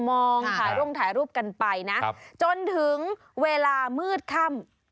ถ่ายร่วงถ่ายรูปกันไปนะจนถึงเวลามืดค่ำ